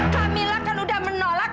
kamilah kan udah menolak